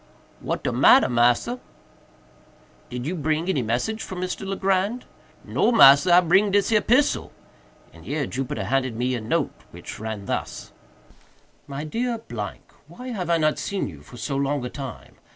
"What de matter, massa?" "Did you bring any message from Mr. Legrand?" "No, massa, I bring dis here pissel;" and here Jupiter handed me a note which ran thus: "MY DEAR ——Why have I not seen you for so long a time?